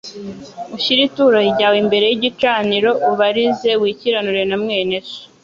ushyire ituro ryawe imbere y'igicaniro ubarize wikiranure na mwene so